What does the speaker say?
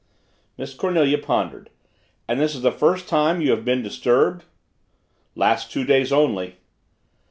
Miss Cornelia pondered. "And this is the first time you have been disturbed?" "Last two days only."